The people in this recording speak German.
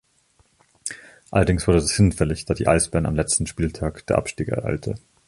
Allerdings wurde das hinfällig, da die Eisbären am letzten Spieltag der Abstieg ereilte.